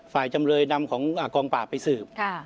จำเลยนำของกองปราบไปสืบ